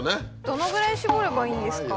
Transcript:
どのぐらい搾ればいいんですか？